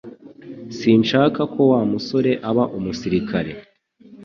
Sinshaka ko Wa musore aba umusirikare